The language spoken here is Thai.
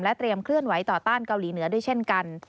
เตรียมเคลื่อนไหวต่อต้านเกาหลีเหนือด้วยเช่นกัน